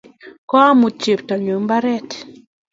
koamut cheptonyu mbaret